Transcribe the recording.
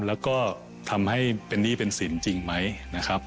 แล้วก็ทำให้เป็นหนี้เป็นสินจริงไหมนะครับ